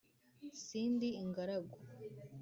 sindi ingaragu.